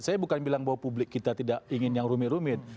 saya bukan bilang bahwa publik kita tidak ingin yang rumit rumit